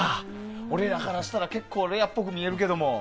俺らからしたら結構レアっぽく見えるけど。